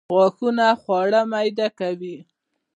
غاښونه خواړه میده کوي